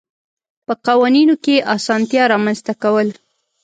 په قوانینو کې اسانتیات رامنځته کول.